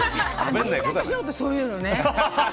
みんな、私のことそう言うのね。